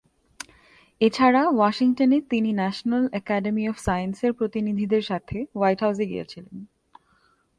এছাড়া ওয়াশিংটনে তিনি ন্যাশনাল একাডেমি অফ সায়েন্সের প্রতিনিধিদের সাথে হোয়াইট হাউসে গিয়েছিলেন।